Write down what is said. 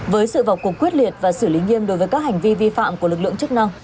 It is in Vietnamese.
với sự vào cuộc quyết liệt và xử lý nghiêm đối với các hành vi vi phạm của lực lượng chức năng